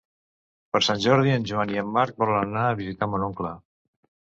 Per Sant Jordi en Joan i en Marc volen anar a visitar mon oncle.